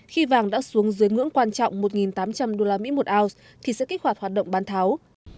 khi vàng đã xuống dưới ngưỡng quan trọng một tám trăm linh usd một ounce thì sẽ kích hoạt hoạt động bán tháo